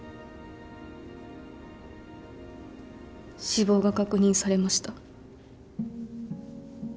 死亡が確認されました。